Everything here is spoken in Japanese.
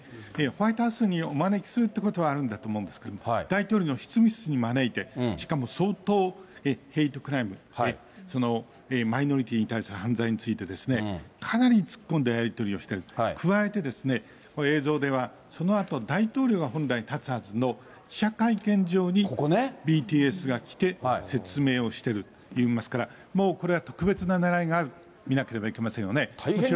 ホワイトハウスにお招きするということはあるんだと思うんですけど、大統領の執務室に招いて、しかも相当ヘイトクライム、そのマイノリティーに対する犯罪について、かなり突っ込んだやり取りをしている、加えて、映像ではそのあと大統領が本来立つはずの記者会見場にＢＴＳが来て、説明をしてるといいますから、もうこれは特別なねらいがあると見なければいけませんよね。